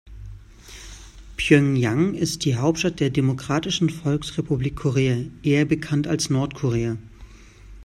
Pjöngjang ist die Hauptstadt der Demokratischen Volksrepublik Korea, eher bekannt als Nordkorea.